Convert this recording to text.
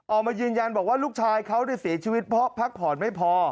ออกมายืนยันบอกว่าลูกชายเขาเสียชีวิตเพราะพักผ่อนไม่พอ